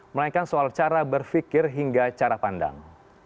melainkan soal cara berpikir hingga cara pandang